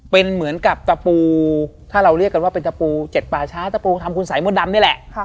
เป็นเหมือนกับตะปูถ้าเราเรียกกันว่าเป็นตะปู๗ป่าช้าตะปูทำคุณสายมดดำนี่แหละ